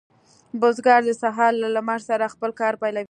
بزګر د سهار له لمر سره خپل کار پیلوي.